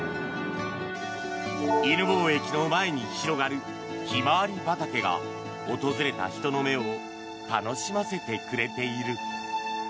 犬吠駅の前に広がるヒマワリ畑が訪れた人の目を楽しませてくれている。